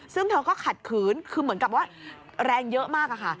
ซึ่งเธอก็ขัดขืนคือเหมือนกับว่าแรงเยอะมากค่ะ